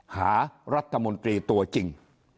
หารัฐมนตรีตัวจริง